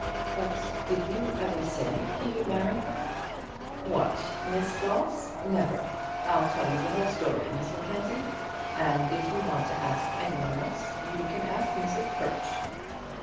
"But did you ever say you would marry her?" "What! Miss Floss, never! I'll tell you the whole story, Miss Mackenzie; and if you want to ask any one else, you can ask Mrs Perch."